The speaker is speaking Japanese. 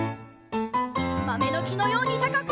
まめのきのようにたかく！